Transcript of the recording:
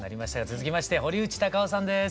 続きまして堀内孝雄さんです。